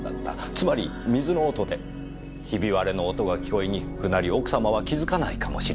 つまり水の音でひび割れの音は聞こえにくくなり奥様は気づかないかもしれない。